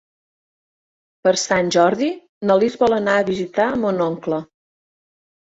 Per Sant Jordi na Lis vol anar a visitar mon oncle.